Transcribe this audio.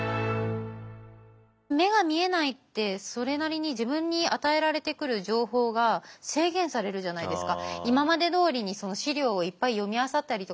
目が見えないってそれなりに自分に与えられてくる情報が制限されるじゃないですか。